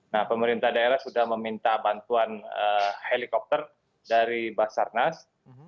nah pemerintah daerah sudah meminta bantuan helikopter dari basarnas